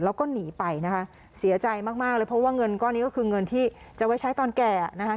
แล้วก็หนีไปนะคะเสียใจมากมากเลยเพราะว่าเงินก้อนนี้ก็คือเงินที่จะไว้ใช้ตอนแก่นะคะ